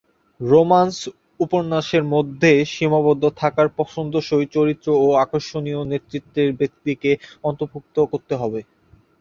Romance উপন্যাসের মধ্যে সীমাবদ্ধ থাকায় পছন্দসই চরিত্র ও আকর্ষণীয় নেতৃত্বের ব্যক্তিকে অন্তর্ভুক্ত করতে থাকেন।